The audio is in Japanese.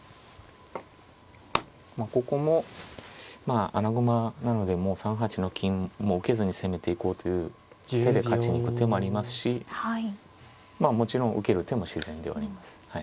まあここも穴熊なので３八の金もう受けずに攻めていこうという手で勝ちに行く手もありますしもちろん受ける手も自然ではあります。